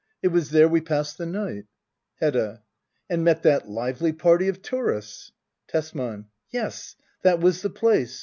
It was there we passed the night Hedda. ^and met that lively party of tourists. Tesman. Yes, that was the place.